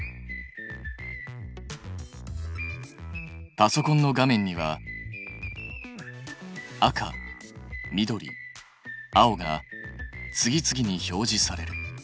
パソコンの画面には赤緑青が次々に表示される。